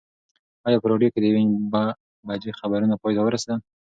ایا په راډیو کې د یوې بجې خبرونه پای ته ورسېدل؟